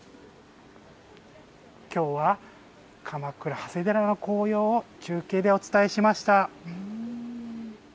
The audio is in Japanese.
きょうは鎌倉長谷寺の紅葉を中継でお伝えしました。